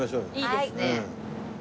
いいですね。